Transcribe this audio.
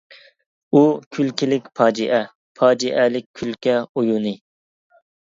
ئۇ كۈلكىلىك پاجىئە، پاجىئەلىك كۈلكە ئويۇنى.